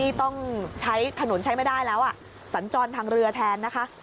ต้องใช้ถนนใช้ไม่ได้แล้วสัญจรทางเรือแทนนะคะ